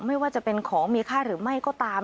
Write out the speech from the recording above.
ไม่ว่าจะเป็นของมีค่าหรือไม่ก็ตาม